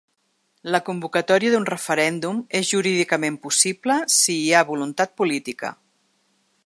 La convocatòria d’un referèndum és jurídicament possible si hi ha voluntat política.